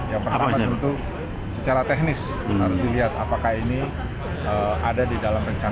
yang pertama tentu secara teknis harus dilihat apakah ini ada di dalam rencana